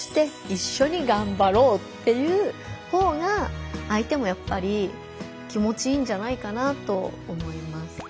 っていうほうが相手もやっぱり気持ちいいんじゃないかなと思います。